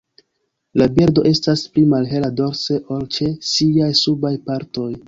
La birdo estas pli malhela dorse ol ĉe siaj subaj partoj.